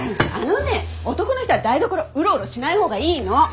あのね男の人は台所うろうろしない方がいいの！